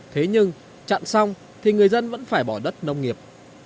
thế nhưng chặn xong thì người dân vẫn phải bỏ đất nông nghiệp